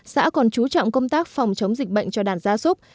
xã còn chú trọng công tác phòng chống dịch bệnh cho đàn gia súc